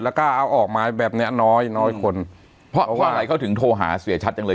แล้วก็เอาออกมาแบบเนี้ยน้อยน้อยคนเพราะว่าอะไรเขาถึงโทรหาเสียชัดจังเลย